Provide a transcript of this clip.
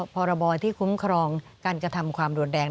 พรบที่คุ้มครองการกระทำความรุนแรง